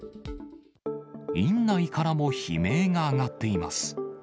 院内からも悲鳴が上がっています。